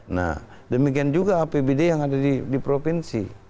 nah demikian juga apbd yang ada di provinsi